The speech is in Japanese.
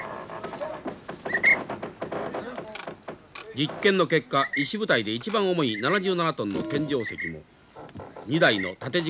実験の結果石舞台で一番重い７７トンの天井石も２台の縦軸